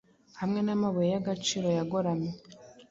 Hamwe namabuye yagaciro yagoramye